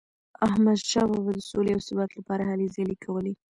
احمدشاه بابا د سولې او ثبات لپاره هلي ځلي کولي.